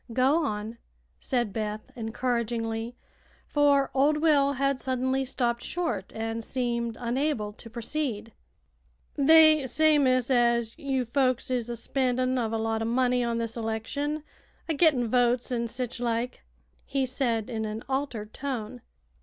"Go on," said Beth, encouragingly, for old Will had suddenly stopped short and seemed unable to proceed. "They say, miss, as you folks is a spendin' uv a lot o' money on this election, a gittin' votes, an' sich like," he said, in an altered tone.